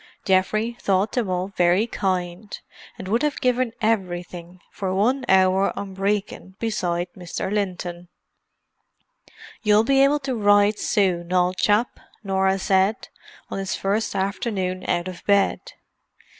Geoffrey thought them all very kind, and would have given everything for one hour on Brecon beside Mr. Linton. "You'll be able to ride soon, old chap," Norah said, on his first afternoon out of bed.